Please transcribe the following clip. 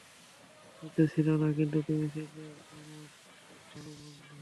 হয়তো ছিল না, কিন্তু তুমি ছিলে আমার ভালো বন্ধু।